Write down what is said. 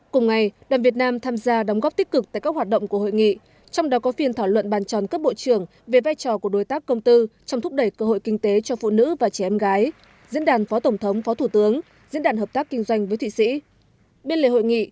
cùng ngày đoàn việt nam tham gia đóng góp tích cực tại các hoạt động của hội nghị trong đó có phiên thảo luận bàn tròn cấp bộ trưởng về vai trò của đối tác công tư trong thúc đẩy cơ hội kinh tế cho phụ nữ và trẻ em gái diễn đàn phó tổng thống phó thủ tướng diễn đàn hợp tác kinh doanh với thụy sĩ